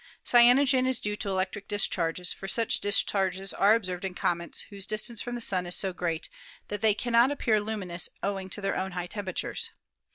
Cyanogen is due to electric discharges, for such discharges are observed in comets whose distance from the Sun is so great that they cannot appear luminous owing to their own high temperatures.